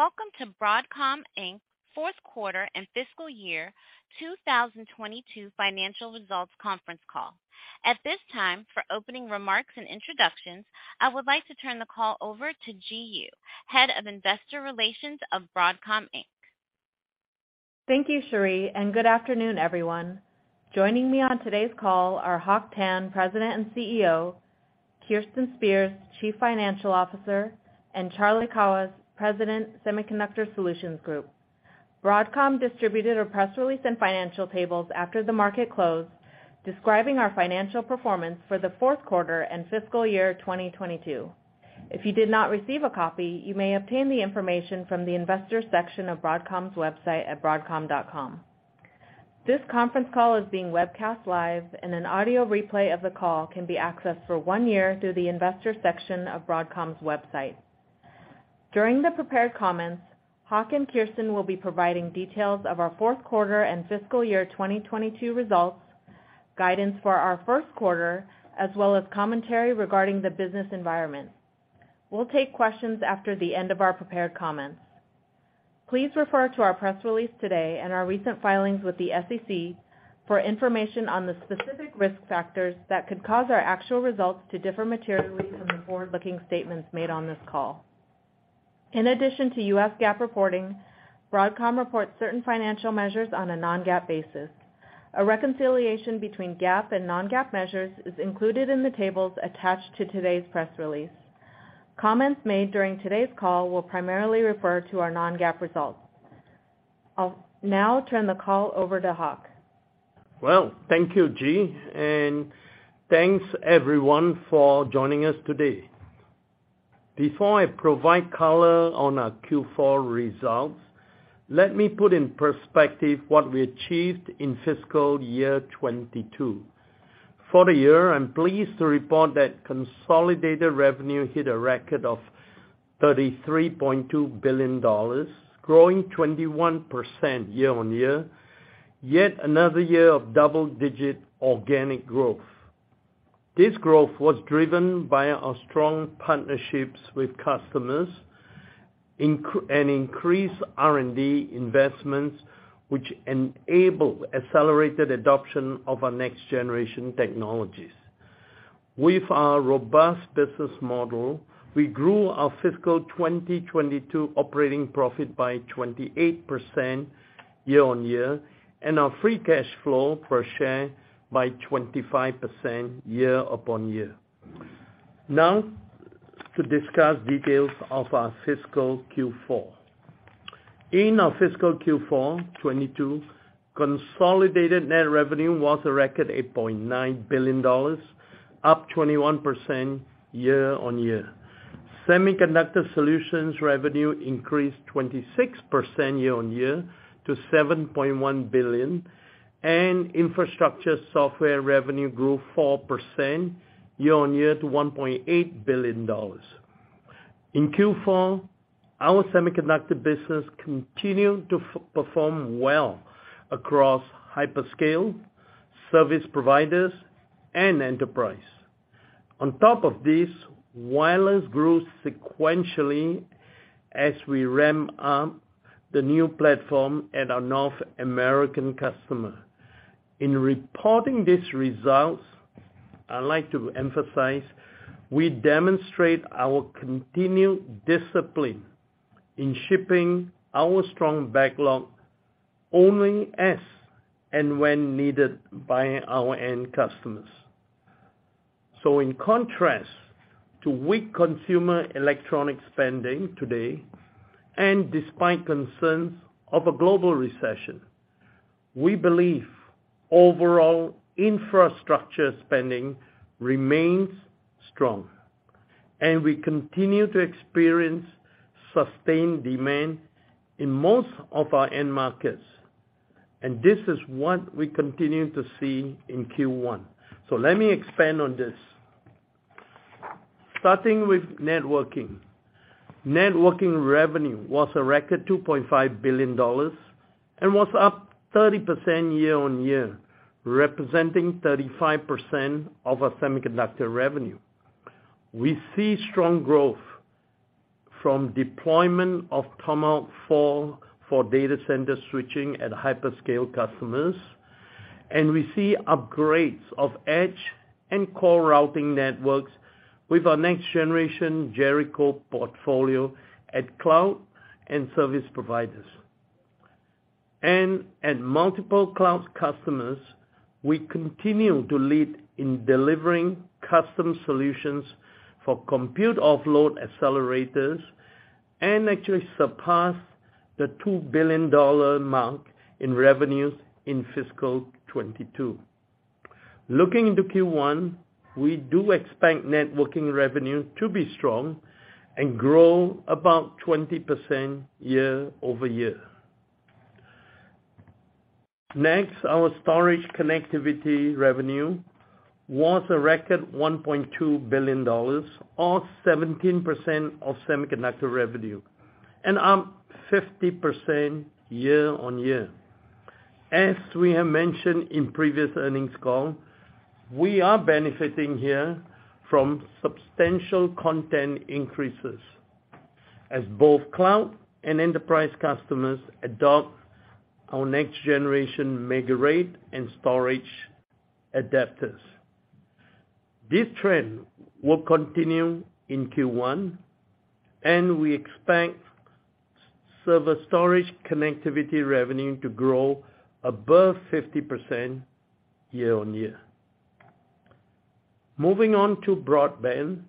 Welcome to Broadcom Inc.'s fourth quarter and fiscal year 2022 financial results conference call. At this time, for opening remarks and introductions, I would like to turn the call over to Ji Yoo, Head of Investor Relations of Broadcom Inc. Thank you, Sherri. Good afternoon, everyone. Joining me on today's call are Hock Tan, President and CEO, Kirsten Spears, Chief Financial Officer, and Charlie Kawwas, President, Semiconductor Solutions Group. Broadcom distributed a press release and financial tables after the market closed, describing our financial performance for the fourth quarter and fiscal year 2022. If you did not receive a copy, you may obtain the information from the Investors Section of Broadcom's website at broadcom.com. This conference call is being webcast live, and an audio replay of the call can be accessed for one year through the investor section of Broadcom's website. During the prepared comments, Hock and Kirsten will be providing details of our fourth quarter and fiscal year 2022 results, guidance for our first quarter, as well as commentary regarding the business environment. We'll take questions after the end of our prepared comments. Please refer to our press release today and our recent filings with the SEC for information on the specific risk factors that could cause our actual results to differ materially from the forward-looking statements made on this call. In addition to US GAAP reporting, Broadcom reports certain financial measures on a non-GAAP basis. A reconciliation between GAAP and non-GAAP measures is included in the tables attached to today's press release. Comments made during today's call will primarily refer to our non-GAAP results. I'll now turn the call over to Hock. Thank you, Ji, and thanks, everyone, for joining us today. Before I provide color on our Q4 results, let me put in perspective what we achieved in fiscal year 2022. For the year, I'm pleased to report that consolidated revenue hit a record of $33.2 billion, growing 21% year-on-year, yet another year of double-digit organic growth. This growth was driven by our strong partnerships with customers and increased R&D investments, which enable accelerated adoption of our next-generation technologies. With our robust business model, we grew our fiscal 2022 operating profit by 28% year-on-year and our free cash flow per share by 25% year-on-year. Now to discuss details of our fiscal Q4. In our fiscal Q4 2022, consolidated net revenue was a record $8.9 billion, up 21% year-on-year. Semiconductor Solutions revenue increased 26% year-on-year to $7.1 billion, and Infrastructure Software revenue grew 4% year-on-year to $1.8 billion. In Q4, our semiconductor business continued to perform well across hyperscale, service providers, and enterprise. On top of this, wireless grew sequentially as we ramp up the new platform at our North American customer. In reporting these results, I'd like to emphasize we demonstrate our continued discipline in shipping our strong backlog only as and when needed by our end customers. In contrast to weak consumer electronic spending today, and despite concerns of a global recession, we believe overall infrastructure spending remains strong, and we continue to experience sustained demand in most of our end markets. This is what we continue to see in Q1. Let me expand on this. Starting with networking. Networking revenue was a record $2.5 billion and was up 30% year-on-year, representing 35% of our semiconductor revenue. We see strong growth from deployment of Tomahawk 4 for data center switching at hyperscale customers. We see upgrades of edge and core routing networks with our next-generation Jericho portfolio at cloud and service providers. At multiple cloud customers, we continue to lead in delivering custom solutions for compute offload accelerators and actually surpass the $2 billion mark in revenues in fiscal 2022. Looking into Q1, we do expect networking revenue to be strong and grow about 20% year-over-year. Our storage connectivity revenue was a record $1.2 billion or 17% of semiconductor revenue and up 50% year-over-year. As we have mentioned in previous earnings call, we are benefiting here from substantial content increases as both cloud, and enterprise customers adopt our next generation MegaRAID and storage adapters. This trend will continue in Q1, and we expect server storage connectivity revenue to grow above 50% year-over-year. Moving on to broadband.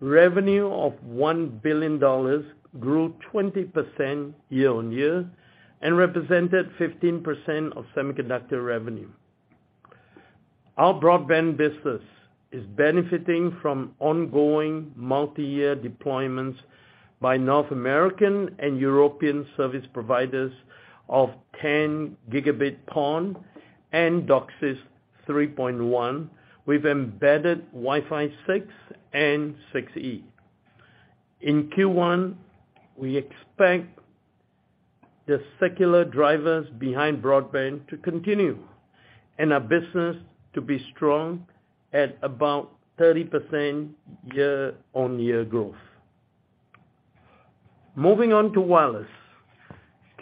Revenue of $1 billion grew 20% year-over-year and represented 15% of semiconductor revenue. Our broadband business is benefiting from ongoing multiyear deployments by North American and European service providers of 10 Gb PON and DOCSIS 3.1 with embedded Wi-Fi 6 and 6E. In Q1, we expect the secular drivers behind broadband to continue and our business to be strong at about 30% year-on-year growth. Moving on to wireless.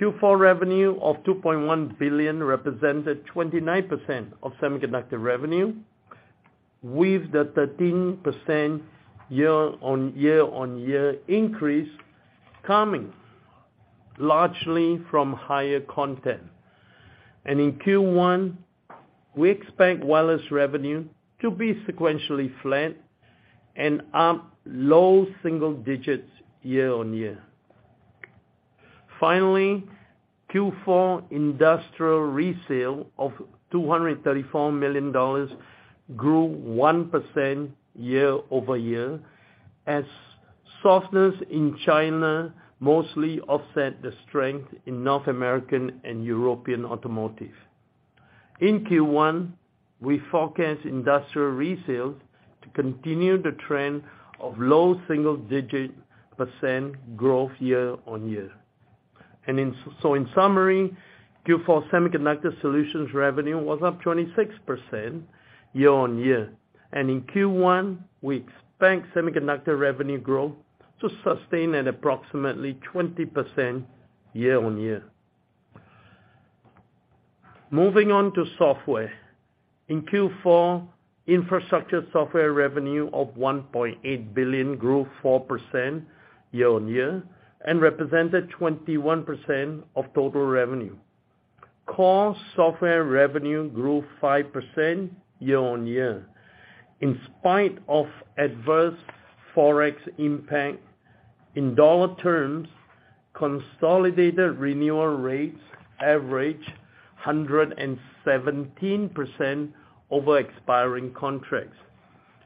Q4 revenue of $2.1 billion represented 29% of semiconductor revenue, with the 13% year-on-year increase coming largely from higher content. In Q1, we expect wireless revenue to be sequentially flat and up low single digits year-on-year. Finally, Q4 industrial resale of $234 million grew 1% year-over-year, as softness in China mostly offset the strength in North American and European automotive. In Q1, we forecast industrial resales to continue the trend of low single-digit percent growth year-on-year. In summary, Q4 Semiconductor Solutions revenue was up 26% year-over-year, and in Q1 we expect semiconductor revenue growth to sustain at approximately 20% year-over-year. Moving on to software. In Q4, Infrastructure Software revenue of $1.8 billion grew 4% year-over-year and represented 21% of total revenue. Core software revenue grew 5% year-over-year. In spite of adverse FX impact, in dollar terms, consolidated renewal rates averaged 117% over expiring contracts.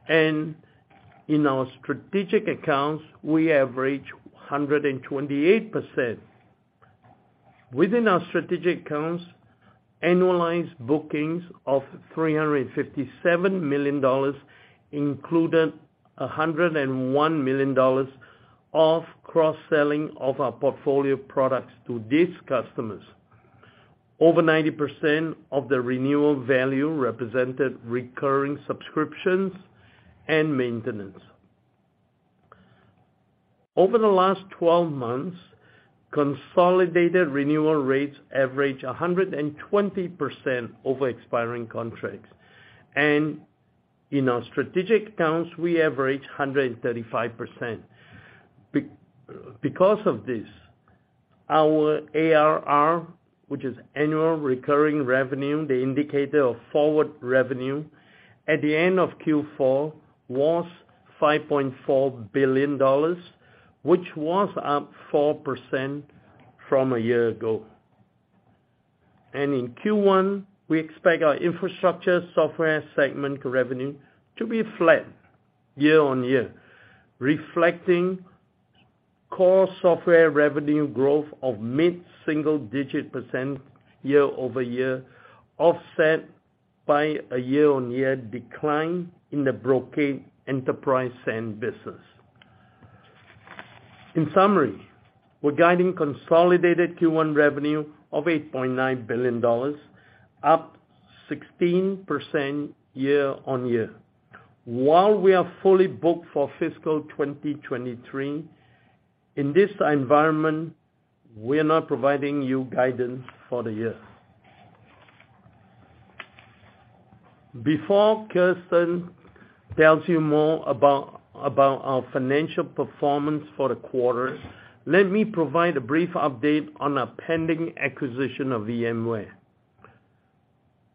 In our strategic accounts, we average 128%. Within our strategic accounts, annualized bookings of $357 million included $101 million of cross-selling of our portfolio products to these customers. Over 90% of the renewal value represented recurring subscriptions and maintenance. Over the last 12 months, consolidated renewal rates averaged 120% over expiring contracts. In our strategic accounts, we averaged 135%. Because of this, our ARR, which is annual recurring revenue, the indicator of forward revenue at the end of Q4 was $5.4 billion, which was up 4% from a year ago. In Q1 we expect our Infrastructure Software segment revenue to be flat year-on-year, reflecting core software revenue growth of mid-single digit percent year-over-year, offset by a year-on-year decline in the Brocade enterprise SAN business. In summary, we're guiding consolidated Q1 revenue of $8.9 billion, up 16% year-on-year. While we are fully booked for fiscal 2023, in this environment, we're not providing you guidance for the year. Before Kirsten tells you more about our financial performance for the quarter, let me provide a brief update on our pending acquisition of VMware.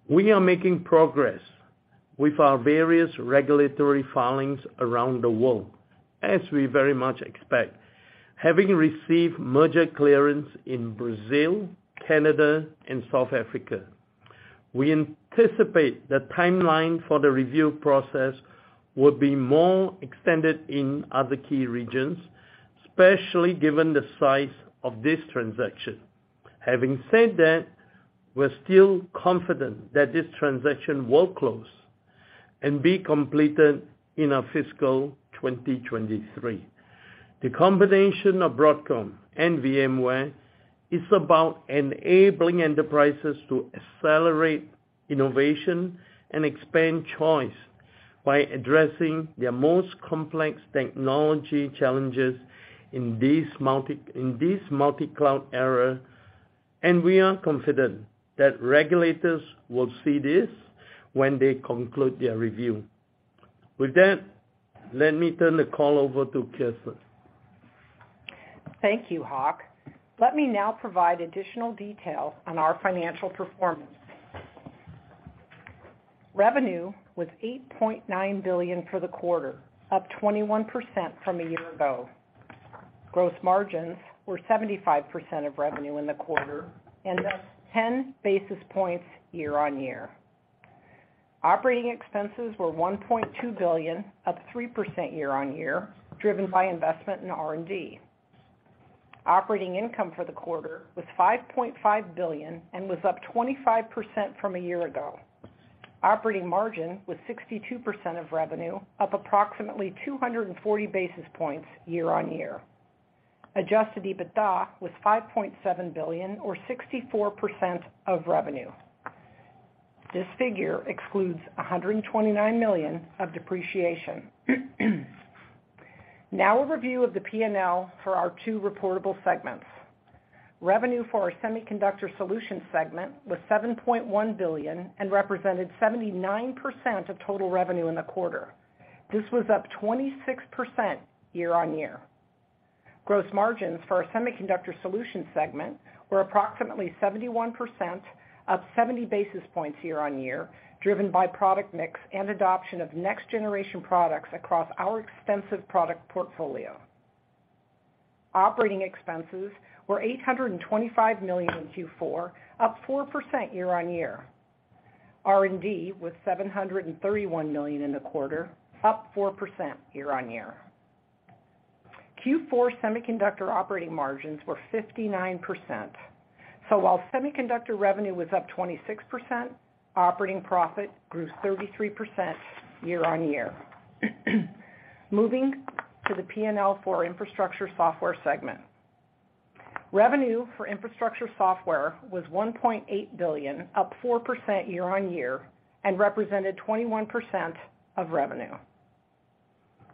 We are making progress with our various regulatory filings around the world, as we very much expect. Having received merger clearance in Brazil, Canada and South Africa, we anticipate the timeline for the review process will be more extended in other key regions, especially given the size of this transaction. Having said that, we're still confident that this transaction will close. Be completed in our fiscal 2023. The combination of Broadcom and VMware is about enabling enterprises to accelerate innovation and expand choice by addressing their most complex technology challenges in this multi-cloud era, we are confident that regulators will see this when they conclude their review. With that, let me turn the call over to Kirsten. Thank you, Hock. Let me now provide additional detail on our financial performance. Revenue was $8.9 billion for the quarter, up 21% from a year ago. Gross margins were 75% of revenue in the quarter, up 10 basis points year-over-year. Operating expenses were $1.2 billion, up 3% year-over-year, driven by investment in R&D. Operating income for the quarter was $5.5 billion and was up 25% from a year ago. Operating margin was 62% of revenue, up approximately 240 basis points year-over-year. Adjusted EBITDA was $5.7 billion or 64% of revenue. This figure excludes $129 million of depreciation. Now a review of the P&L for our two reportable segments. Revenue for our Semiconductor Solutions segment was $7.1 billion and represented 79% of total revenue in the quarter. This was up 26% year-on-year. Gross margins for our Semiconductor Solutions segment were approximately 71%, up 70 basis points year-on-year, driven by product mix and adoption of next-generation products across our extensive product portfolio. Operating expenses were $825 million in Q4, up 4% year-on-year. R&D was $731 million in the quarter, up 4% year-on-year. Q4 semiconductor operating margins were 59%. While semiconductor revenue was up 26%, operating profit grew 33% year-on-year. Moving to the P&L for our Infrastructure Software segment. Revenue for Infrastructure Software was $1.8 billion, up 4% year-on-year, and represented 21% of revenue.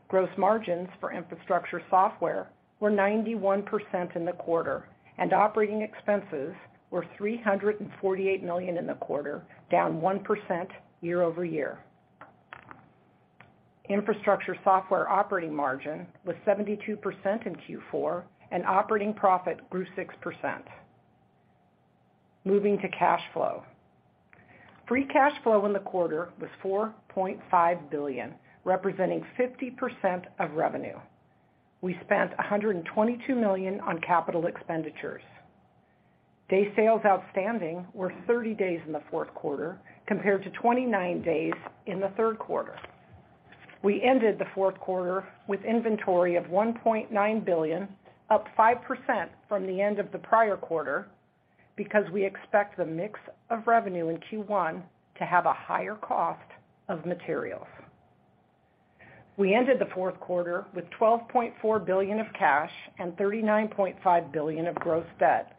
Gross margins for Infrastructure Software were 91% in the quarter, and operating expenses were $348 million in the quarter, down 1% year-over-year. Infrastructure Software operating margin was 72% in Q4, and operating profit grew 6%. Moving to cash flow. Free cash flow in the quarter was $4.5 billion, representing 50% of revenue. We spent $122 million on capital expenditures. Day sales outstanding were 30 days in the fourth quarter compared to 29 days in the third quarter. We ended the fourth quarter with inventory of $1.9 billion, up 5% from the end of the prior quarter, because we expect the mix of revenue in Q1 to have a higher cost of materials. We ended the fourth quarter with $12.4 billion of cash and $39.5 billion of gross debt,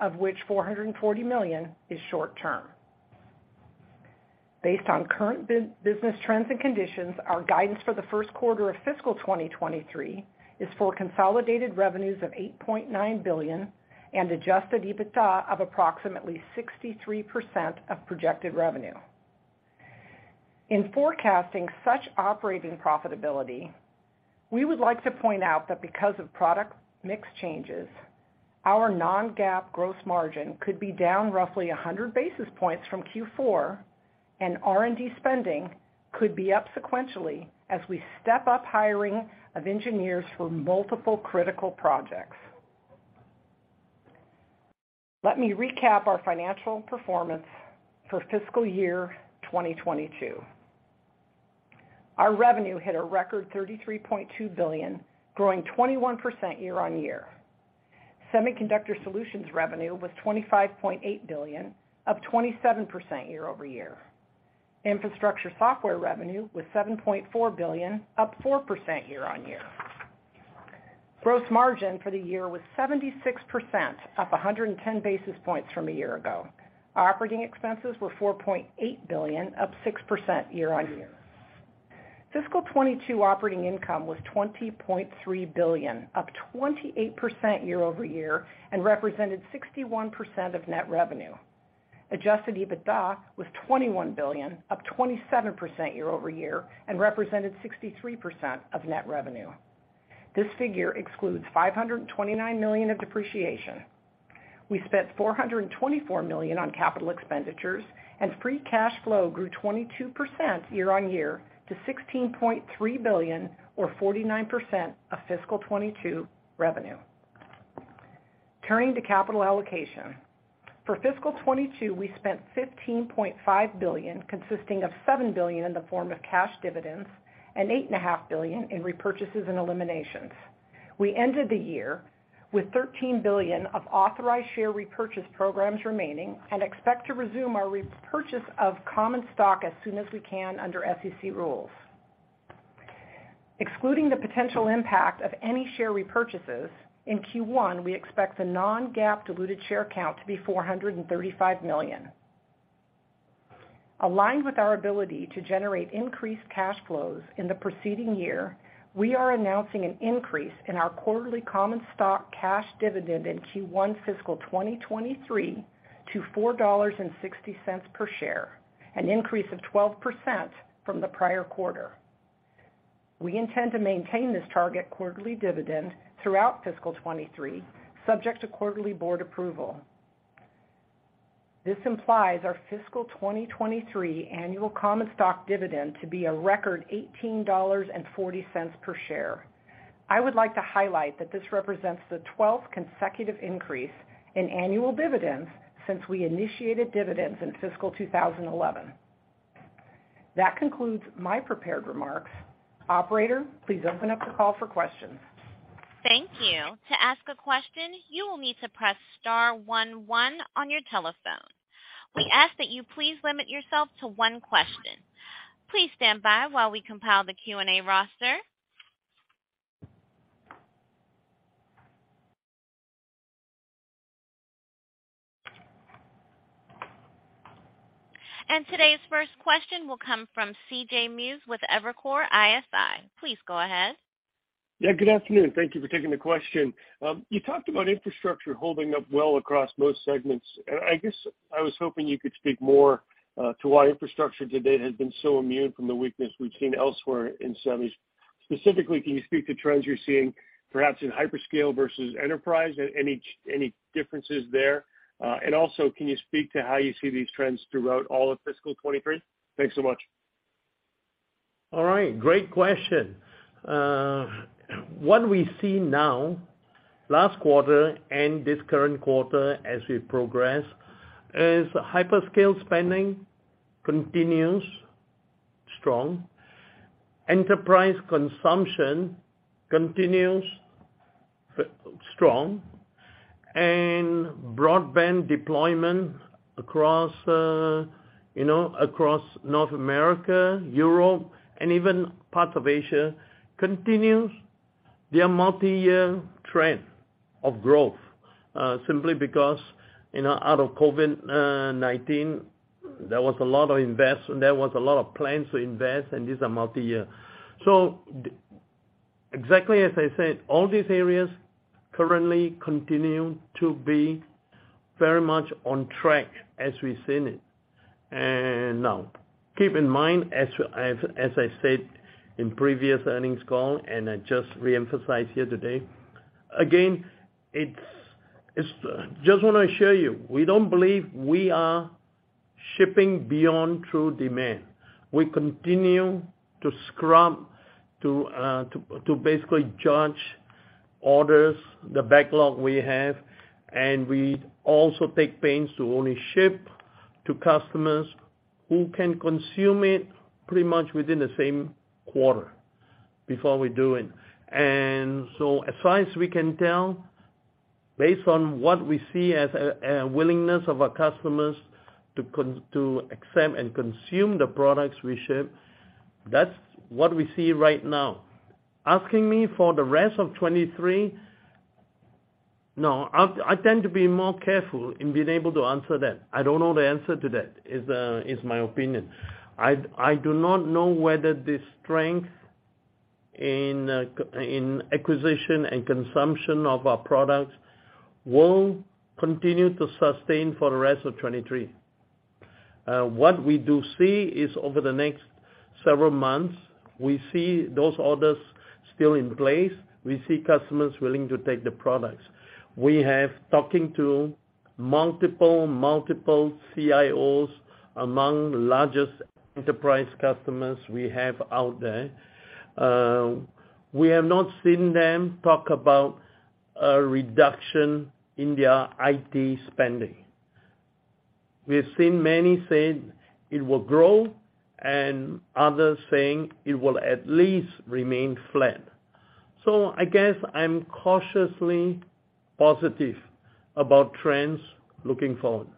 of which $440 million is short-term. Based on current business trends and conditions, our guidance for the first quarter of fiscal 2023 is for consolidated revenues of $8.9 billion and adjusted EBITDA of approximately 63% of projected revenue. In forecasting such operating profitability, we would like to point out that because of product mix changes, our non-GAAP gross margin could be down roughly 100 basis points from Q4, and R&D spending could be up sequentially as we step up hiring of engineers for multiple critical projects. Let me recap our financial performance for fiscal year 2022. Our revenue hit a record $33.2 billion, growing 21% year-on-year. Semiconductor Solutions revenue was $25.8 billion, up 27% year-over-year. Infrastructure Software revenue was $7.4 billion, up 4% year-on-year. Gross margin for the year was 76%, up 110 basis points from a year ago. Operating expenses were $4.8 billion, up 6% year-on-year. Fiscal 2022 operating income was $20.3 billion, up 28% year-over-year, and represented 61% of net revenue. Adjusted EBITDA was $21 billion, up 27% year-over-year, and represented 63% of net revenue. This figure excludes $529 million of depreciation. We spent $424 million on capital expenditures, and free cash flow grew 22% year-on-year to $16.3 billion or 49% of fiscal 2022 revenue. Turning to capital allocation. For fiscal 2022, we spent $15.5 billion, consisting of $7 billion in the form of cash dividends and $8.5 billion in repurchases and eliminations. We ended the year with $13 billion of authorized share repurchase programs remaining and expect to resume our repurchase of common stock as soon as we can under SEC rules. Excluding the potential impact of any share repurchases, in Q1, we expect the non-GAAP diluted share count to be 435 million. Aligned with our ability to generate increased cash flows in the preceding year, we are announcing an increase in our quarterly common stock cash dividend in Q1 fiscal 2023 to $4.60 per share, an increase of 12% from the prior quarter. We intend to maintain this target quarterly dividend throughout fiscal 2023, subject to quarterly board approval. This implies our fiscal 2023 annual common stock dividend to be a record $18.40 per share. I would like to highlight that this represents the 12th consecutive increase in annual dividends since we initiated dividends in fiscal 2011. That concludes my prepared remarks. Operator, please open up the call for questions. Thank you. To ask a question, you will need to press star one one on your telephone. We ask that you please limit yourself to one question. Please stand by while we compile the Q&A roster. Today's first question will come from CJ Muse with Evercore ISI. Please go ahead. Yeah, good afternoon. Thank you for taking the question. You talked about infrastructure holding up well across most segments. I guess I was hoping you could speak more to why infrastructure to date has been so immune from the weakness we've seen elsewhere in semis. Specifically, can you speak to trends you're seeing, perhaps in hyperscale versus enterprise? Any differences there? Also, can you speak to how you see these trends throughout all of fiscal 2023? Thanks so much. All right. Great question. What we see now, last quarter and this current quarter as we progress, is hyperscale spending continues strong. Enterprise consumption continues strong and broadband deployment across, you know, across North America, Europe, and even parts of Asia continues their multiyear trend of growth, simply because, you know, out of COVID-19, there was a lot of plans to invest, and these are multiyear. Exactly as I said, all these areas currently continue to be very much on track as we've seen it. Now, keep in mind, as I said in previous earnings call, and I just reemphasize here today, again, it's just want to assure you, we don't believe we are shipping beyond true demand. We continue to scrub to basically judge orders, the backlog we have, and we also take pains to only ship to customers who can consume it pretty much within the same quarter before we do it. As far as we can tell, based on what we see as a willingness of our customers to accept and consume the products we ship, that's what we see right now. Asking me for the rest of 2023, no, I tend to be more careful in being able to answer that. I don't know the answer to that, is my opinion. I do not know whether the strength in acquisition and consumption of our products will continue to sustain for the rest of 2023. What we do see is over the next several months, we see those orders still in place. We see customers willing to take the products. We have talking to multiple CIOs among the largest enterprise customers we have out there. We have not seen them talk about a reduction in their IT spending. We've seen many saying it will grow and others saying it will at least remain flat. I guess I'm cautiously positive about trends looking forward.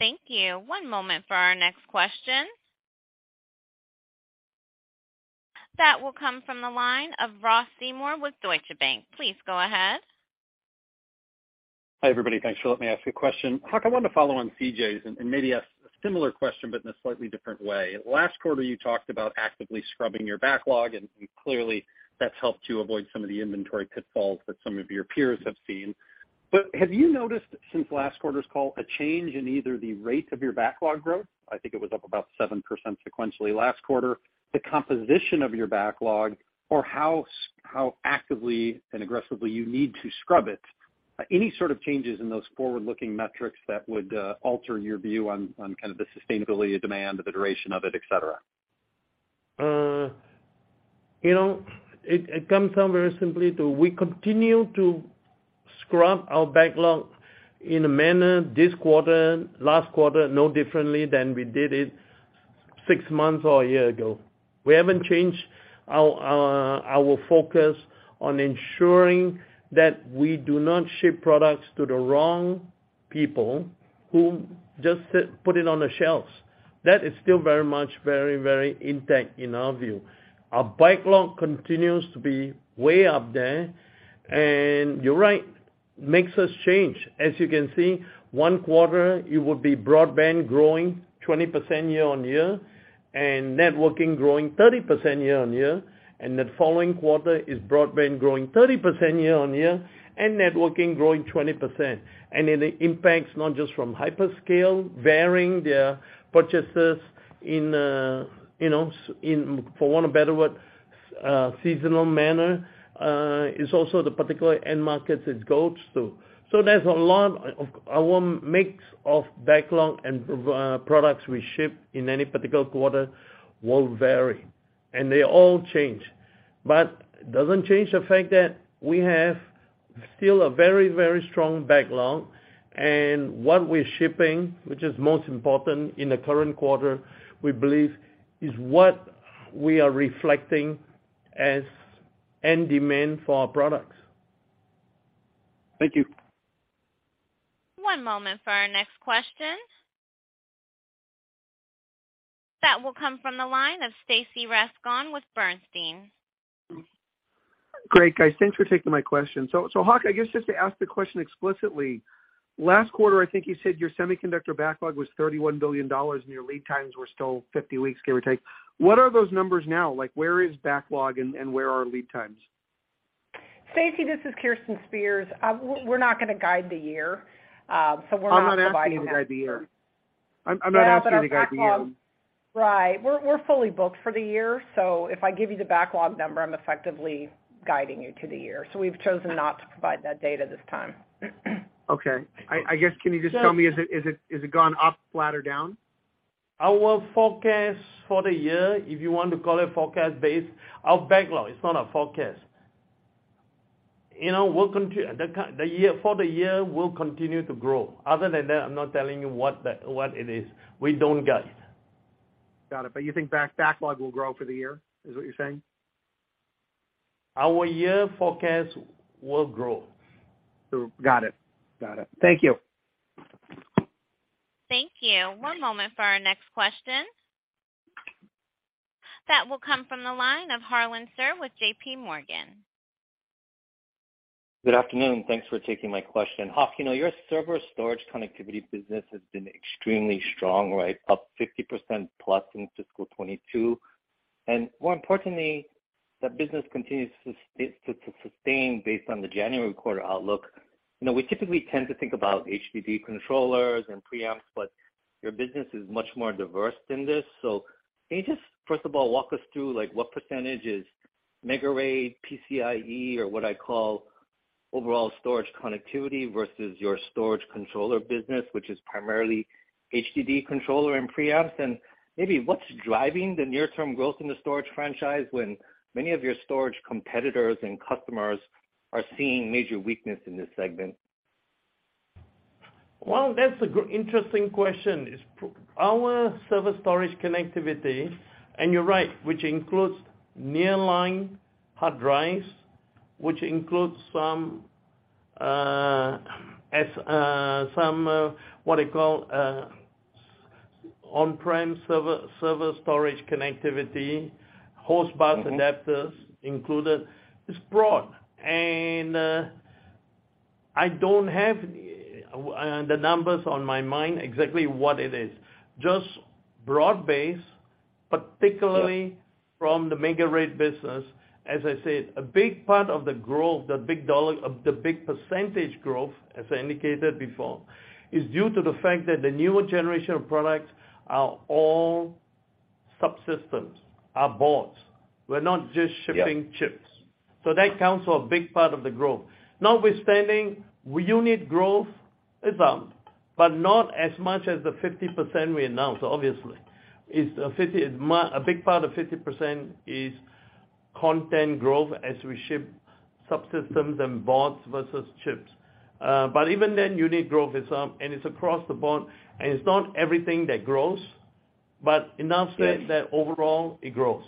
Thank you. One moment for our next question. That will come from the line of Ross Seymore with Deutsche Bank. Please go ahead. Hi, everybody. Thanks for letting me ask a question. Hock, I wanted to follow on CJ's and maybe ask a similar question, but in a slightly different way. Last quarter, you talked about actively scrubbing your backlog, and clearly, that's helped you avoid some of the inventory pitfalls that some of your peers have seen. But have you noticed since last quarter's call a change in either the rate of your backlog growth? I think it was up about 7% sequentially last quarter. The composition of your backlog, or how actively and aggressively you need to scrub it. Any sort of changes in those forward-looking metrics that would alter your view on kind of the sustainability of demand or the duration of it, et cetera? You know, it comes down very simply to we continue to scrub our backlog in a manner this quarter, last quarter, no differently than we did it six months or one year ago. We haven't changed our focus on ensuring that we do not ship products to the wrong people who just sit, put it on the shelves. That is still very much, very intact in our view. Our backlog continues to be way up there, and you're right, makes us change. As you can see, one quarter it would be broadband growing 20% year-on-year and networking growing 30% year-on-year, and the following quarter is broadband growing 30% year-on-year and networking growing 20%. It impacts not just from hyperscale varying their purchases in, you know, in, for want of a better word, seasonal manner, is also the particular end markets it goes to. There's a lot of our mix of backlog and products we ship in any particular quarter will vary, and they all change. It doesn't change the fact that we have still a very, very strong backlog, and what we're shipping, which is most important in the current quarter, we believe is what we are reflecting as end demand for our products. Thank you. One moment for our next question. That will come from the line of Stacy Rasgon with Bernstein. Great, guys. Thanks for taking my question. Hock, I guess just to ask the question explicitly, last quarter, I think you said your semiconductor backlog was $31 billion and your lead times were still 50 weeks, give or take. What are those numbers now? Like, where is backlog, and where are lead times? Stacy, this is Kirsten Spears. We're not gonna guide the year, we're not providing that. I'm not asking you to guide the year. We're fully booked for the year, so if I give you the backlog number, I'm effectively guiding you to the year. We've chosen not to provide that data this time. Okay. I guess, can you just tell me, is it gone up, flat or down? Our forecast for the year, if you want to call it forecast base, our backlog is not a forecast. You know, for the year, we'll continue to grow. Other than that, I'm not telling you what it is. We don't guide. Got it. You think backlog will grow for the year, is what you're saying? Our year forecast will grow. Got it. Thank you. Thank you. One moment for our next question. That will come from the line of Harlan Sur with JPMorgan. Good afternoon. Thanks for taking my question. Hock, you know, your server storage connectivity business has been extremely strong, right? Up 50%+ in fiscal 2022. More importantly, that business continues to sustain based on the January quarter outlook. You know, we typically tend to think about HDD controllers and preamps, but your business is much more diverse than this. Can you just first of all walk us through, like, what percentage is MegaRAID, PCIe or what I call overall storage connectivity versus your storage controller business, which is primarily HDD controller and preamps? Maybe what's driving the near-term growth in the storage franchise when many of your storage competitors and customers are seeing major weakness in this segment? Well, that's a interesting question. It's our server storage connectivity, and you're right, which includes nearline hard drives, which includes some, what do you call, on-prem server storage connectivity, host bus adapters included. It's broad. I don't have the numbers on my mind exactly what it is. Just broad-based, particularly from the MegaRAID business. As I said, a big part of the growth, the big dollar, of the big percentage growth, as I indicated before, is due to the fact that the newer generation of products are all subsystems, are boards. We're not just shipping chips. Yeah. That counts for a big part of the growth. Notwithstanding, unit growth is up, but not as much as the 50% we announced, obviously. A big part of 50% is content growth as we ship subsystems and boards versus chips. Even then, unit growth is up, and it's across the board. It's not everything that grows, but enough said that overall it grows.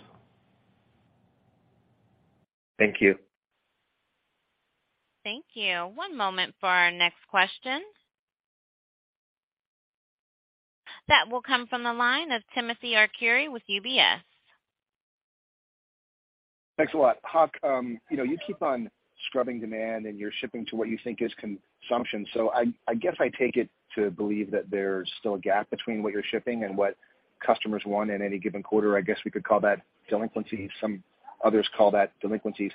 Thank you. Thank you. One moment for our next question. That will come from the line of Timothy Arcuri with UBS. Thanks a lot. Hock, you know, you keep on scrubbing demand, and you're shipping to what you think is consumption. I guess I take it to believe that there's still a gap between what you're shipping and what customers want in any given quarter. I guess we could call that delinquencies. Some others call that delinquencies.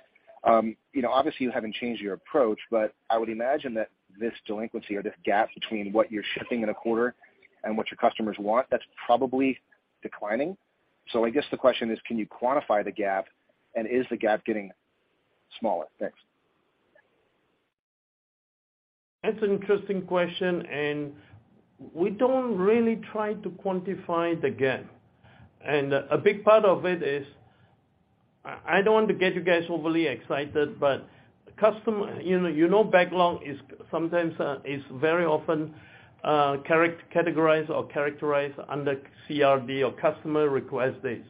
You know, obviously you haven't changed your approach, but I would imagine that this delinquency or this gap between what you're shipping in a quarter and what your customers want, that's probably declining. I guess the question is, can you quantify the gap, and is the gap getting smaller? Thanks. That's an interesting question. We don't really try to quantify the gap. A big part of it is I don't want to get you guys overly excited, but You know, backlog is sometimes is very often categorized or characterized under CRD or customer request dates.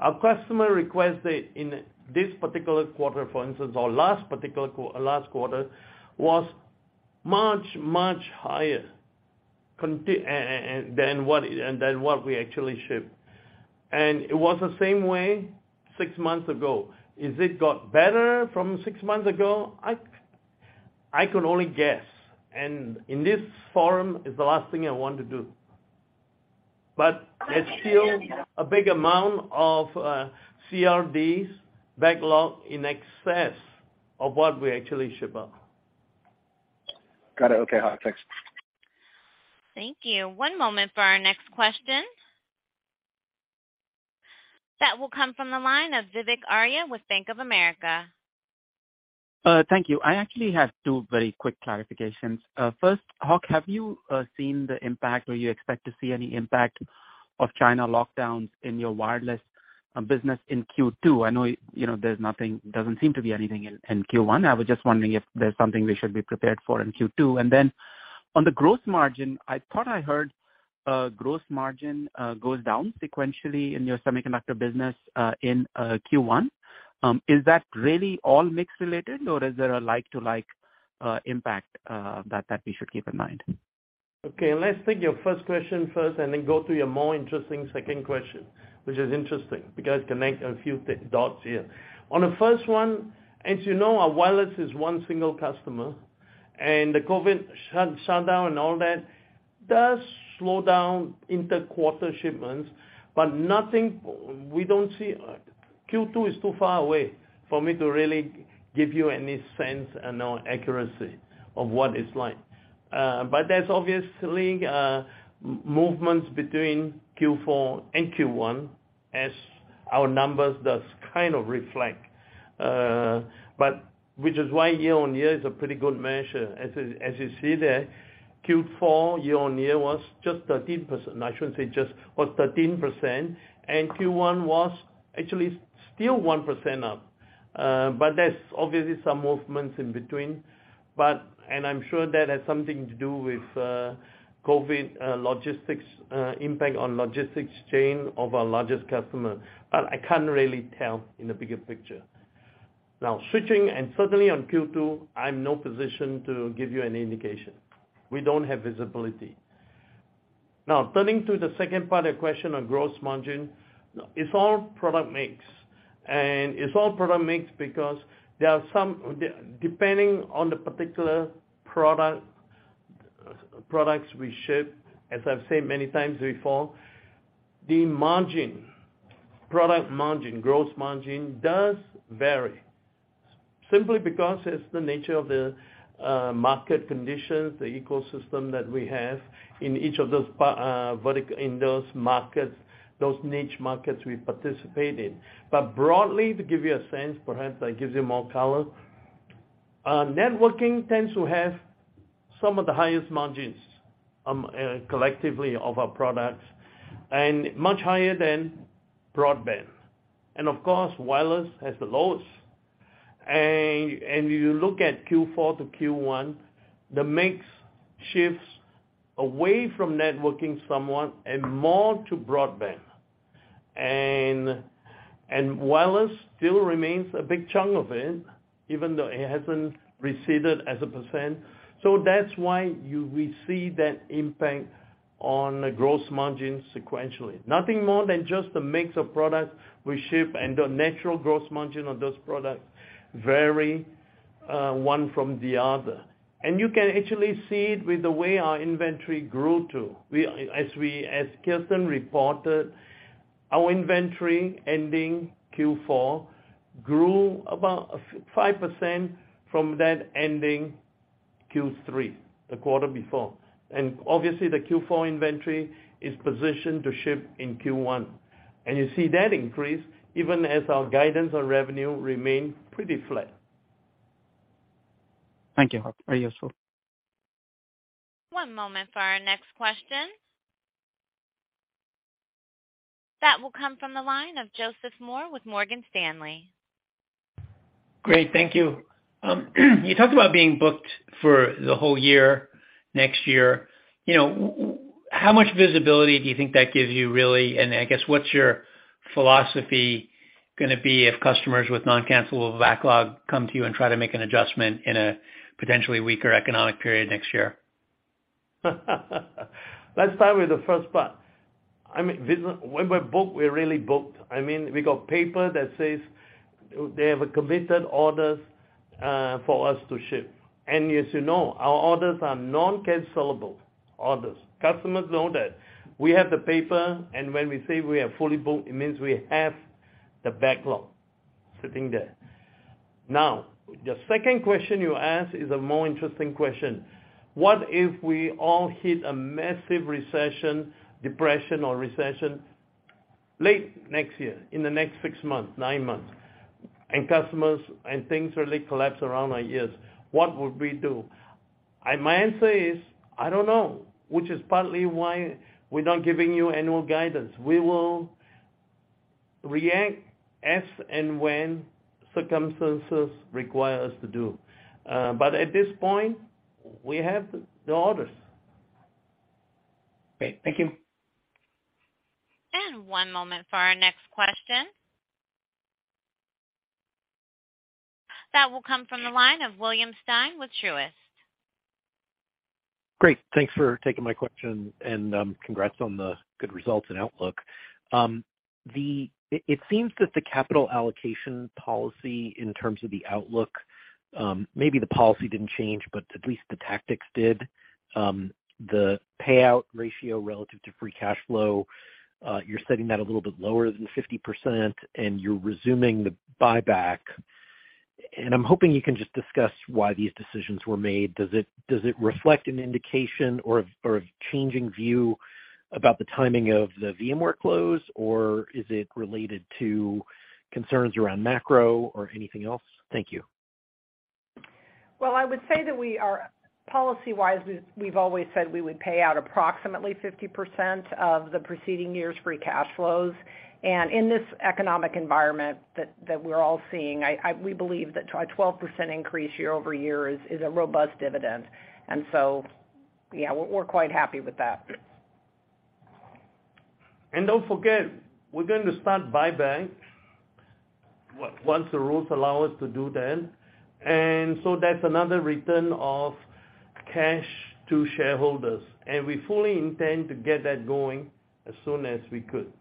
Our customer request date in this particular quarter, for instance, or last particular quarter, was much higher than what we actually ship. It was the same way six months ago. Is it got better from six months ago? I can only guess, and in this forum is the last thing I want to do. There's still a big amount of CRDs backlog in excess of what we actually ship out. Got it. Okay, Hock. Thanks. Thank you. One moment for our next question. That will come from the line of Vivek Arya with Bank of America. Thank you. I actually have two very quick clarifications. First, Hock, have you seen the impact, or do you expect to see any impact of China lockdowns in your wireless business in Q2? I know, you know, there's nothing, doesn't seem to be anything in Q1. I was just wondering if there's something we should be prepared for in Q2. Then on the gross margin, I thought I heard gross margin goes down sequentially in your semiconductor business in Q1. Is that really all mix related, or is there a like-to-like impact that we should keep in mind? Okay, let's take your first question first and then go to your more interesting second question, which is interesting because connect a few dots here. On the first one, as you know, our wireless is one single customer, and the COVID shutdown and all that does slow down inter-quarter shipments, but we don't see Q2 is too far away for me to really give you any sense and/or accuracy of what it's like. There's obviously movements between Q4 and Q1 as our numbers does kind of reflect. Which is why year-on-year is a pretty good measure. As you see there, Q4 year-on-year was just 13%. I shouldn't say just, was 13%, and Q1 was actually still 1% up. There's obviously some movements in between. I'm sure that has something to do with COVID logistics impact on logistics chain of our largest customer. I can't really tell in the bigger picture. Now, switching and certainly on Q2, I'm no position to give you any indication. We don't have visibility. Now turning to the second part of the question on gross margin, it's all product mix. It's all product mix because there are some depending on the particular product, products we ship, as I've said many times before, the margin, product margin, gross margin does vary simply because it's the nature of the market conditions, the ecosystem that we have in each of those in those markets, those niche markets we participate in. Broadly, to give you a sense, perhaps that gives you more color, networking tends to have some of the highest margins, collectively of our products, and much higher than broadband. Of course, wireless has the lowest. You look at Q4 to Q1, the mix shifts away from networking somewhat and more to broadband. Wireless still remains a big chunk of it, even though it hasn't receded as a %. That's why we see that impact on the gross margin sequentially. Nothing more than just the mix of products we ship and the natural gross margin of those products vary, one from the other. You can actually see it with the way our inventory grew too. As Kirsten reported, our inventory ending Q4 grew about 5% from that ending Q3, the quarter before. Obviously, the Q4 inventory is positioned to ship in Q1. You see that increase even as our guidance on revenue remained pretty flat. Thank you, Hock. Very useful. One moment for our next question. That will come from the line of Joseph Moore with Morgan Stanley. Great. Thank you. You talked about being booked for the whole year, next year. You know, how much visibility do you think that gives you, really, and I guess what's your philosophy gonna be if customers with non-cancellable backlog come to you and try to make an adjustment in a potentially weaker economic period next year? Let's start with the first part. I mean, when we're booked, we're really booked. I mean, we got paper that says they have a committed orders for us to ship. As you know, our orders are non-cancellable orders. Customers know that. We have the paper, and when we say we are fully booked, it means we have the backlog sitting there. The second question you ask is a more interesting question. What if we all hit a massive recession, depression or recession late next year, in the next six months, nine months, and customers and things really collapse around our ears? What would we do? My answer is, I don't know, which is partly why we're not giving you annual guidance. We will react as and when circumstances require us to do. At this point, we have the orders. Great. Thank you. One moment for our next question. That will come from the line of William Stein with Truist. Great. Thanks for taking my question, and congrats on the good results and outlook. It seems that the capital allocation policy in terms of the outlook, maybe the policy didn't change, but at least the tactics did. The payout ratio relative to free cash flow, you're setting that a little bit lower than 50%, and you're resuming the buyback. I'm hoping you can just discuss why these decisions were made. Does it reflect an indication or a changing view about the timing of the VMware close, or is it related to concerns around macro, or anything else? Thank you. I would say that we are policy-wise, we've always said we would pay out approximately 50% of the preceding year's free cash flows. In this economic environment that we're all seeing, we believe that a 12% increase year-over-year is a robust dividend. Yeah, we're quite happy with that. Don't forget, we're going to start buyback once the rules allow us to do that. That's another return of cash to shareholders. We fully intend to get that going as soon as we could.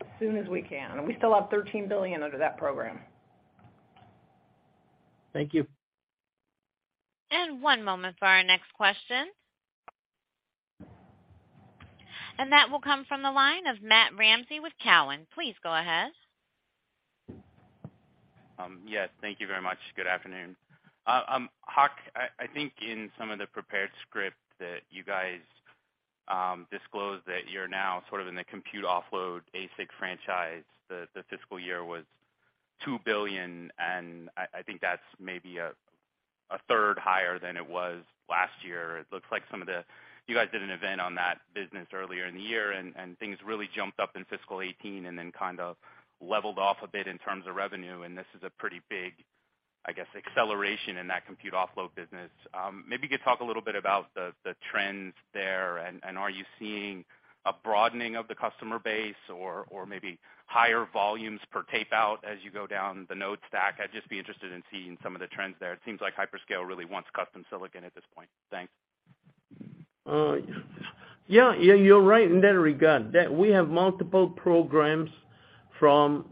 As soon as we can. We still have $13 billion under that program. Thank you. One moment for our next question. That will come from the line of Matt Ramsay with Cowen. Please go ahead. Yes, thank you very much. Good afternoon. Hock, I think in some of the prepared script that you guys disclosed that you're now sort of in the compute offload ASIC franchise, the fiscal year was $2 billion, and I think that's maybe a third higher than it was last year. It looks like You guys did an event on that business earlier in the year, and things really jumped up in fiscal 2018 and then kind of leveled off a bit in terms of revenue. This is a pretty big, I guess, acceleration in that compute offload business. Maybe you could talk a little bit about the trends there, and are you seeing a broadening of the customer base, or maybe higher volumes per tape out as you go down the node stack? I'd just be interested in seeing some of the trends there. It seems like hyperscale really wants custom silicon at this point. Thanks. Yeah, you're right in that regard, that we have multiple programs from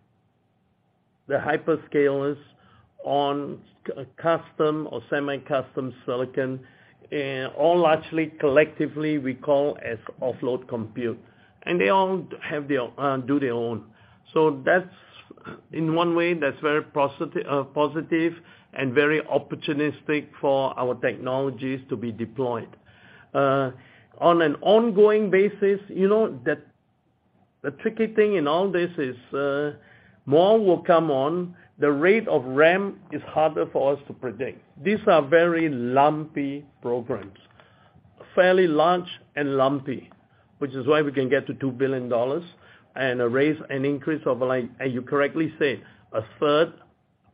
the hyperscalers on custom or semi-custom silicon, all largely collectively we call as offload compute. They all have their, do their own. In one way, that's very positive and very opportunistic for our technologies to be deployed. On an ongoing basis, you know that the tricky thing in all this is, more will come on. The rate of ramp is harder for us to predict. These are very lumpy programs, fairly large and lumpy, which is why we can get to $2 billion and a raise, an increase of like, as you correctly said, a third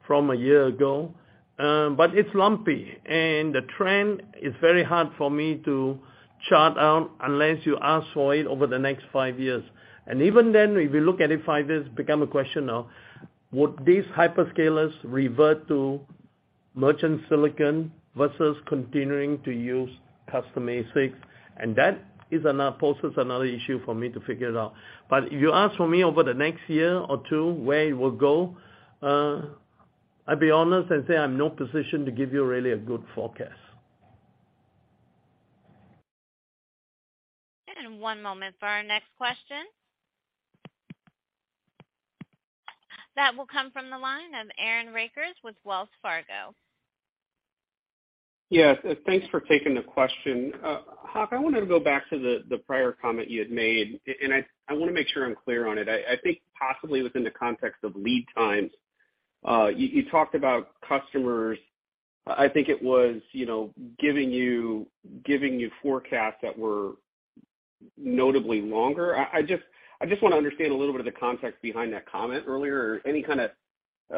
from a year ago. It's lumpy. The trend is very hard for me to chart out unless you ask for it over the next five years. Even then, if you look at it five years, become a question of would these hyperscalers revert to merchant silicon versus continuing to use custom ASICs. That poses another issue for me to figure it out. If you ask for me over the next year or two where it will go, I'll be honest and say I'm in no position to give you really a good forecast. One moment for our next question. That will come from the line of Aaron Rakers with Wells Fargo. Yes, thanks for taking the question. Hock, I wanted to go back to the prior comment you had made, and I wanna make sure I'm clear on it. I think possibly within the context of lead times. You talked about customers, I think it was, you know, giving you forecasts that were notably longer. I just wanna understand a little bit of the context behind that comment earlier or,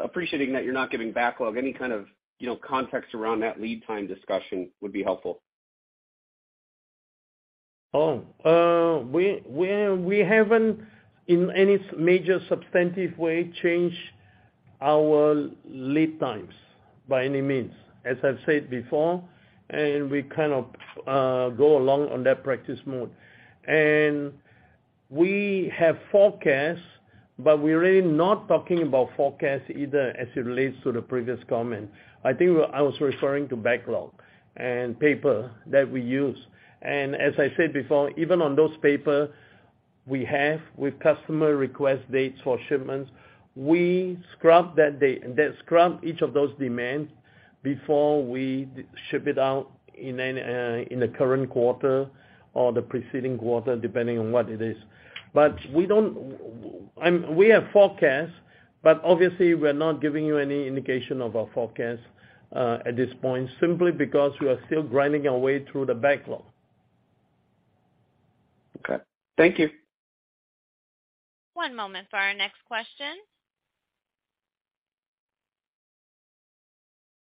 appreciating that you're not giving backlog, any kind of, you know, context around that lead time discussion would be helpful. We haven't in any major substantive way changed our lead times by any means. As I've said before, we kind of go along on that practice mode. We have forecasts, but we're really not talking about forecasts either as it relates to the previous comment. I think I was referring to backlog and paper that we use. As I said before, even on those paper, we have with customer request dates for shipments. We scrub each of those demands before we ship it out in any in the current quarter or the preceding quarter, depending on what it is. We have forecast, but obviously, we're not giving you any indication of our forecast at this point simply because we are still grinding our way through the backlog. Okay. Thank you. One moment for our next question.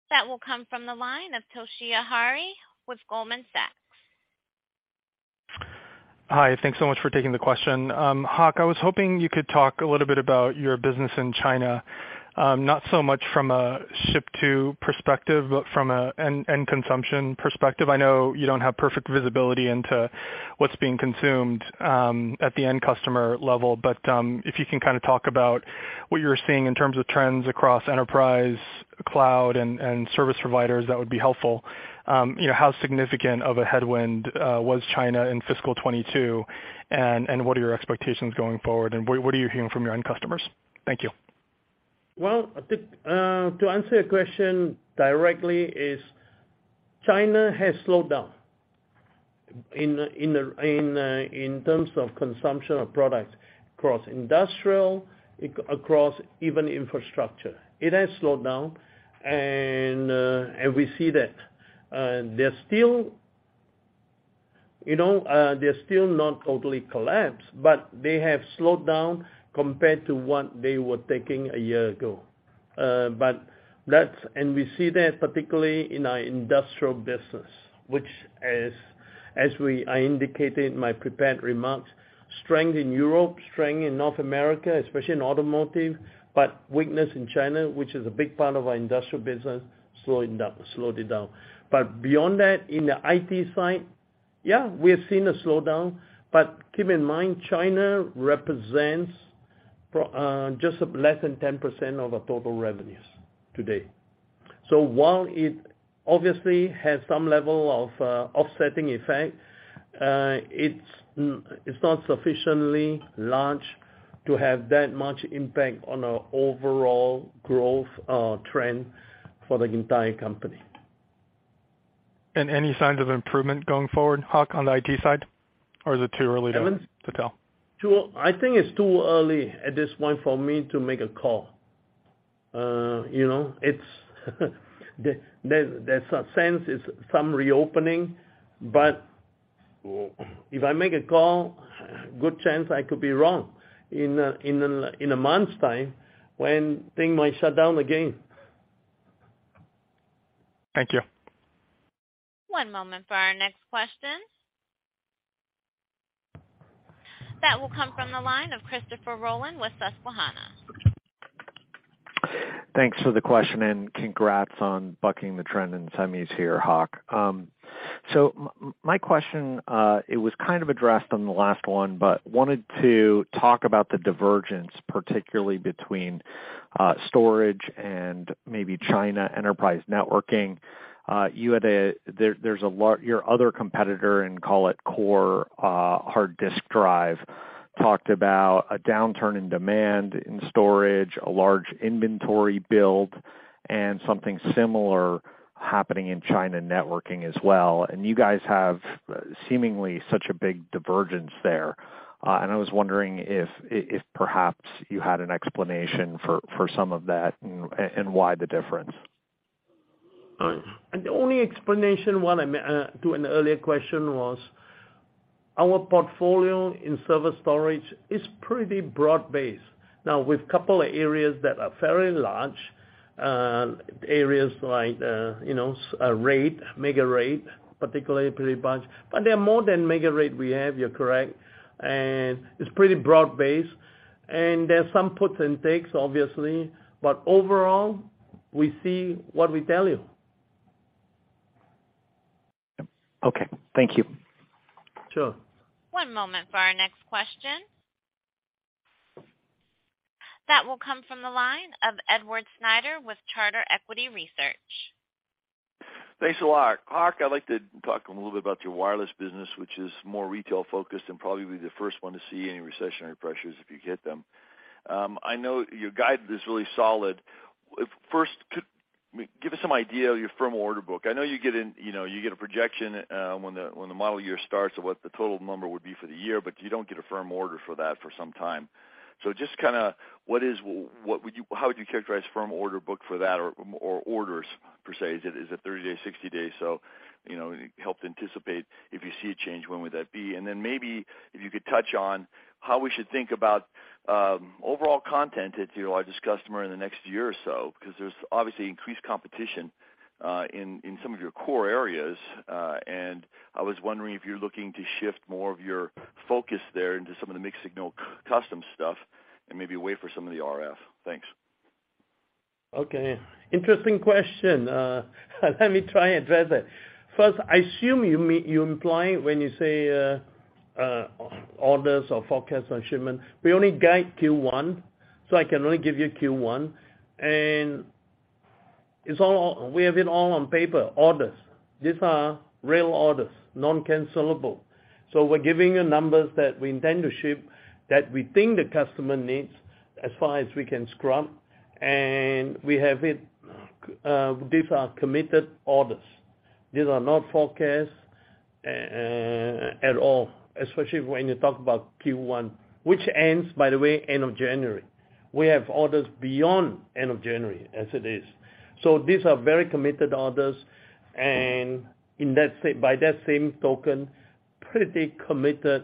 That will come from the line of Toshiya Hari with Goldman Sachs. Hi. Thanks so much for taking the question. Hock, I was hoping you could talk a little bit about your business in China, not so much from a ship-to-perspective, but from a end consumption perspective. I know you don't have perfect visibility into what's being consumed at the end customer level. If you can kind of talk about what you're seeing in terms of trends across enterprise, cloud, and service providers, that would be helpful. You know, how significant of a headwind was China in fiscal 2022, and what are your expectations going forward, and what are you hearing from your end customers? Thank you. Well, to answer your question directly is China has slowed down in terms of consumption of products across industrial, across even infrastructure. It has slowed down, and we see that. You know, they're still not totally collapsed, but they have slowed down compared to what they were taking a year ago. We see that particularly in our industrial business, which as I indicated in my prepared remarks, strength in Europe, strength in North America, especially in automotive, but weakness in China, which is a big part of our industrial business, slowing down, slowed it down. Beyond that, in the IT side, yeah, we have seen a slowdown, but keep in mind, China represents just less than 10% of our total revenues to date. While it obviously has some level of offsetting effect, it's not sufficiently large to have that much impact on our overall growth, trend for the entire company. Any signs of improvement going forward, Hock, on the IT side? Or is it too early to tell? I think it's too early at this point for me to make a call. You know, there's a sense it's some reopening, but if I make a call, good chance I could be wrong in a month's time when thing might shut down again. Thank you. One moment for our next question. That will come from the line of Christopher Rolland with Susquehanna. Thanks for the question, and congrats on bucking the trend in semis here, Hock. So my question, it was kind of addressed on the last one, but I wanted to talk about the divergence, particularly between storage and maybe China enterprise networking. There's your other competitor, and call it core, hard disk drive, talked about a downturn in demand in storage, a large inventory build, and something similar happening in China networking as well. You guys have seemingly such a big divergence there. I was wondering if perhaps you had an explanation for some of that and why the difference. The only explanation to an earlier question was our portfolio in server storage is pretty broad-based. Now with couple of areas that are very large, areas like, you know, RAID, MegaRAID, particularly pretty bunch. There are more than MegaRAID we have, you're correct, and it's pretty broad-based. There's some puts and takes obviously, but overall, we see what we tell you. Okay, thank you. Sure. One moment for our next question. That will come from the line of Edward Snyder with Charter Equity Research. Thanks a lot. Hock, I'd like to talk a little bit about your wireless business, which is more retail-focused and probably be the first one to see any recessionary pressures if you hit them. I know your guide is really solid. First, give us some idea of your firm order book. I know you get, you know, you get a projection, when the, when the model year starts of what the total number would be for the year, but you don't get a firm order for that for some time. Just kinda how would you characterize firm order book for that or orders per se? Is it 30 days, 60 days? You know, help anticipate if you see a change, when would that be? Maybe if you could touch on how we should think about overall content at your largest customer in the next year or so, 'cause there's obviously increased competition in some of your core areas? I was wondering if you're looking to shift more of your focus there into some of the mixed signal custom stuff and maybe wait for some of the RF. Thanks. Okay. Interesting question. Let me try and address that. First, I assume you imply when you say orders or forecasts on shipment, we only guide Q1, so I can only give you Q1. We have it all on paper, orders. These are real orders, non-cancelable. We're giving you numbers that we intend to ship, that we think the customer needs, as far as we can scrub, and we have it. These are committed orders. These are not forecasts at all, especially when you talk about Q1, which ends, by the way, end of January. We have orders beyond end of January as it is. These are very committed orders, and by that same token, pretty committed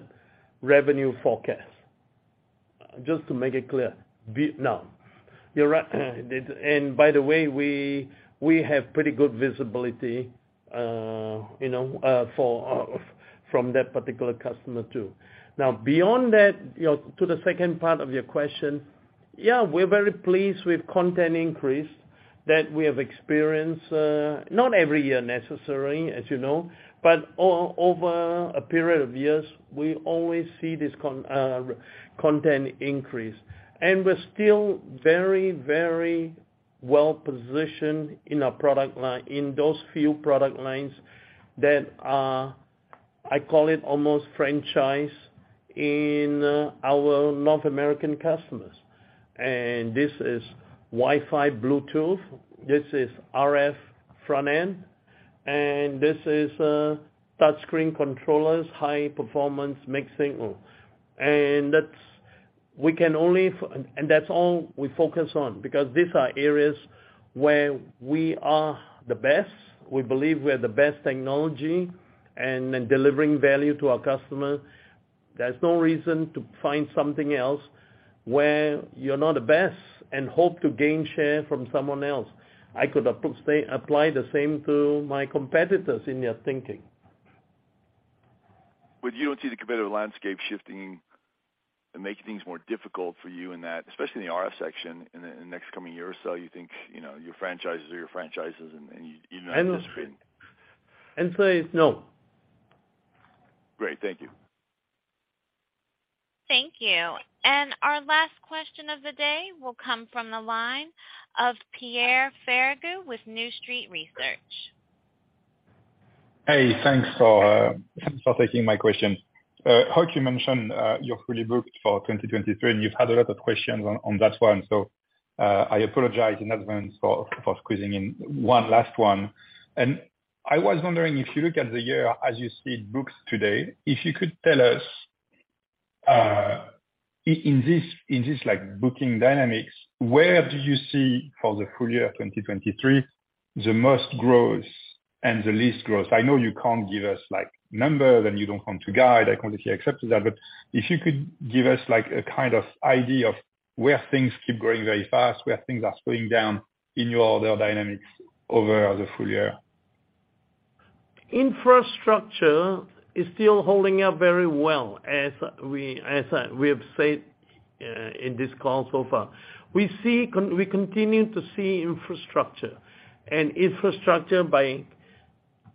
revenue forecast. Just to make it clear, Vietnam. You're right. By the way, we have pretty good visibility, you know, from that particular customer too. Now, beyond that, you know, to the second part of your question, yeah, we're very pleased with content increase that we have experienced, not every year necessarily, as you know, but over a period of years, we always see this content increase. We're still very, very well-positioned in our product line, in those few product lines that are, I call it, almost franchise in our North American customers. This is Wi-Fi, Bluetooth, this is RF front-end, and this is touchscreen controllers, high-performance mixed signal. That's all we focus on because these are areas where we are the best. We believe we have the best technology and in delivering value to our customer. There's no reason to find something else where you're not the best and hope to gain share from someone else. I could apply the same to my competitors in their thinking. You don't see the competitive landscape shifting and making things more difficult for you in that, especially in the RF section in the next coming year or so, you think, you know, your franchises are your franchises and you're not anticipating. Answer is no. Great. Thank you. Thank you. Our last question of the day will come from the line of Pierre Ferragu with New Street Research. Hey, thanks for taking my question. Hock, you mentioned you're fully booked for 2023, and you've had a lot of questions on that one. I apologize in advance for squeezing in one last one. I was wondering if you look at the year as you see it booked today, if you could tell us, in this, in this, like, booking dynamics, where do you see for the full year 2023, the most growth and the least growth? I know you can't give us, like, numbers, and you don't want to guide. I completely accept that. If you could give us, like, a kind of idea of where things keep growing very fast, where things are slowing down in your order dynamics over the full year. Infrastructure is still holding up very well, as we have said in this call so far. We continue to see infrastructure. Infrastructure by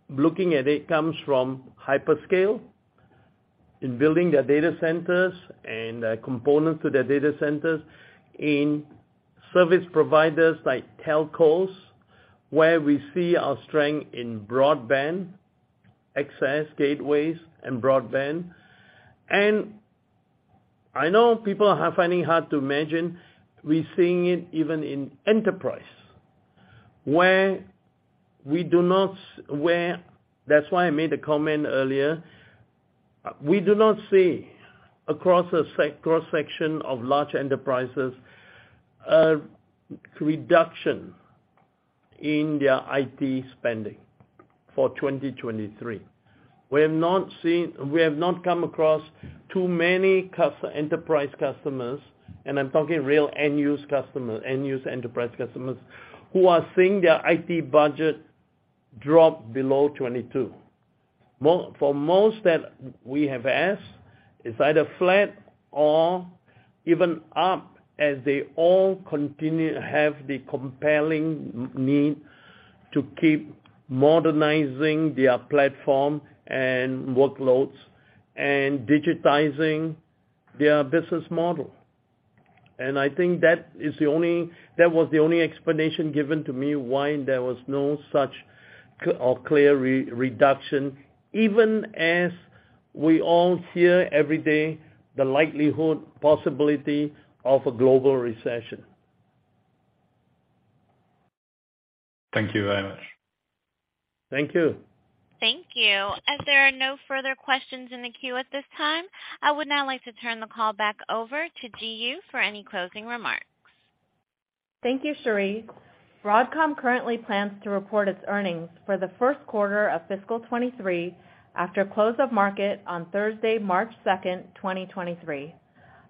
looking at it comes from hyperscale in building their data centers and components to their data centers, in service providers like telcos, where we see our strength in broadband access gateways and broadband. I know people are finding hard to imagine, we're seeing it even in enterprise, where that's why I made a comment earlier. We do not see across a cross-section of large enterprises a reduction in their IT spending for 2023. We have not come across too many enterprise customers, and I'm talking real end-use enterprise customers, who are seeing their IT budget drop below 2022. For most that we have asked, it's either flat or even up as they all continue to have the compelling need to keep modernizing their platform and workloads and digitizing their business model. I think that was the only explanation given to me why there was no such or clear reduction, even as we all hear every day the likelihood possibility of a global recession. Thank you very much. Thank you. Thank you. As there are no further questions in the queue at this time, I would now like to turn the call back over to Ji Yoo for any closing remarks. Thank you, Sherri. Broadcom currently plans to report its earnings for the first quarter of fiscal 23 after close of market on Thursday, March 2nd, 2023.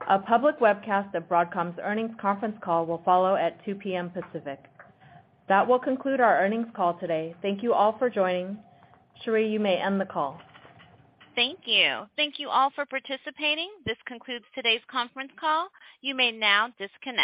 A public webcast of Broadcom's earnings conference call will follow at 2:00 P.M. Pacific. That will conclude our earnings call today. Thank you all for joining. Sherri, you may end the call. Thank you. Thank you all for participating. This concludes today's conference call. You may now disconnect.